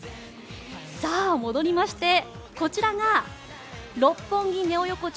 さあ、戻りましてこちらが「六本木ネオ横丁」